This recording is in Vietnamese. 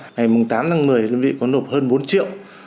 ngày tám tháng một mươi đơn vị có nộp hơn bốn triệu